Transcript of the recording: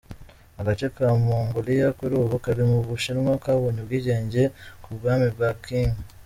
Agace ka Mongolia, kuri ubu kari mu Bushinwa kabonye ubwigenge ku bwami bwa Qing.